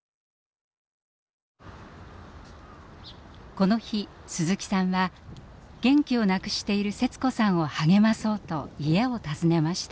この日鈴木さんは元気をなくしているセツ子さんを励まそうと家を訪ねました。